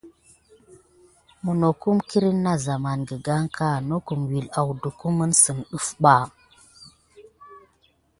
Minokum kirine na zamane higaka mis hidasinat kupasine.